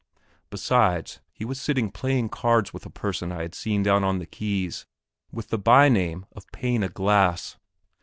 Besides, he was sitting playing cards with a person I had seen down on the quays, with the by name of "Pane o' glass."